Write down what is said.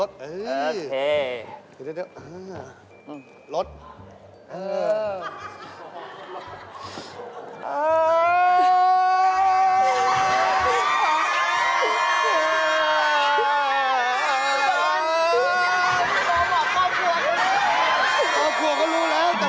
พ่อพวก็รู้แล้วแต่พ่อพวกเขามาไม่เติ้ลอยู่เกาหลี